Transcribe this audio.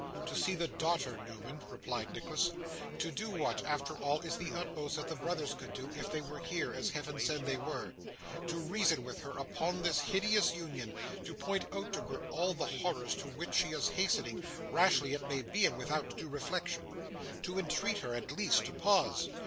'To see the daughter, Newman,' replied Nicholas. 'To do what, after all, is the utmost that the brothers could do, if they were here, as Heaven send they were! To reason with her upon this hideous union, to point out to her all the horrors to which she is hastening; rashly, it may be, and without due reflection. To entreat her, at least, to pause.